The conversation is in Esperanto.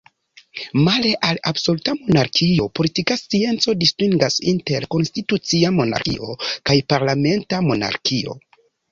Male al absoluta monarkio, politika scienco distingas inter konstitucia monarkio kaj parlamenta monarkio.